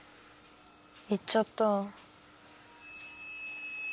行っちゃった。